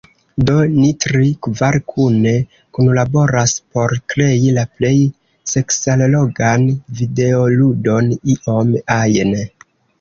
Do ni tri… kvar kune kunlaboras por krei la plej seksallogan videoludon iom ajn.